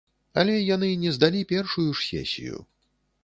Але яны не здалі першую ж сесію.